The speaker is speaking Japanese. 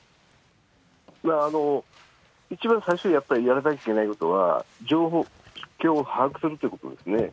一番最初にやっぱりやらなきゃいけないのは、状況を把握するということですね。